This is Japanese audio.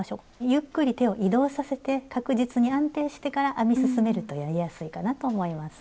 ゆっくり手を移動させて確実に安定してから編み進めるとやりやすいかなと思います。